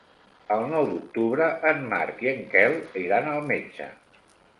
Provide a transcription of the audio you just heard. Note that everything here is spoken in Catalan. El nou d'octubre en Marc i en Quel iran al metge.